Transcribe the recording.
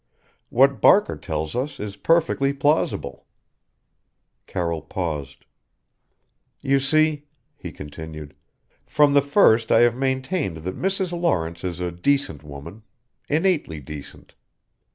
What Barker tells us is perfectly plausible " Carroll paused "You see," he continued, "from the first I have maintained that Mrs. Lawrence is a decent woman innately decent.